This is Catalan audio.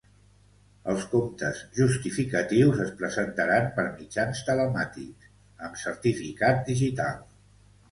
Els comptes justificatius es presentaran per mitjans telemàtics amb certificat digital.